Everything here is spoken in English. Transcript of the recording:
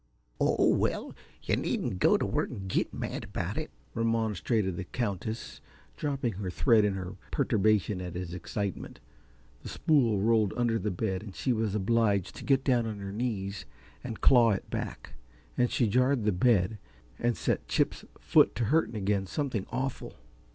"Oh, well, yuh needn't go t' work an' git mad about it," remonstrated the Countess, dropping her thread in her perturbation at his excitement. The spool rolled under the bed and she was obliged to get down upon her knees and claw it back, and she jarred the bed and set Chip's foot to hurting again something awful.